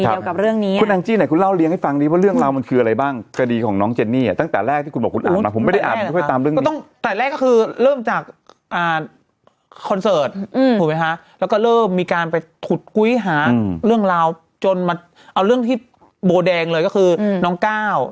หลังจากที่เจ้าแม่ตะเคียนให้โชคติดต่อกันมาแล้วถึงสองงวด